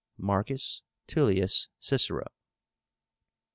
MARCUS TULLIUS CICERO.